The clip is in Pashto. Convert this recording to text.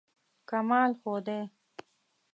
کمال ښودی.